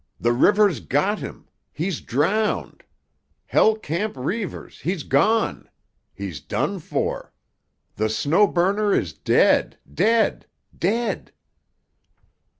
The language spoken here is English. The river's got him. He's drowned! 'Hell Camp' Reivers—he's gone. He's done for. The 'Snow Burner' is dead, dead dead!"